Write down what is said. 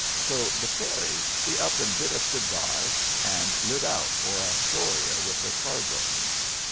So the ferry she up and bid us good bye, and lit out for Astoria with her cargo.